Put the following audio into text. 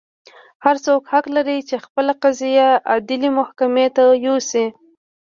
هر څوک حق لري چې خپله قضیه عدلي محکمې ته یوسي.